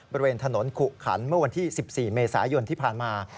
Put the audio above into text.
บริเวณถนนขุขันเมื่อวันที่๑๔เมษายนที่ผ่านมา